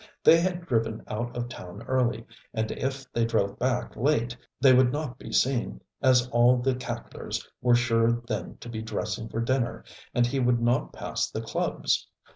They had driven out of town early, and if they drove back late they would not be seen, as all the cacklers were sure then to be dressing for dinner, and he would not pass the Clubs.